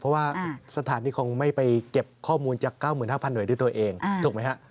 เพราะว่าสถานีคงไม่ไปเก็บข้อมูลจาก๙๕๐๐หน่วยด้วยตัวเองถูกไหมฮะ